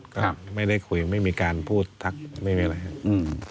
ครับไม่ได้คุยไม่มีการพูดทักไม่มีอะไรอืม